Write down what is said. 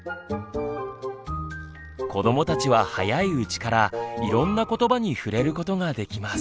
子どもたちは早いうちからいろんな言葉に触れることができます。